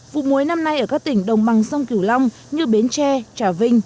vụ muối năm nay ở các tỉnh đồng bằng sông kiểu long như bến tre trà vinh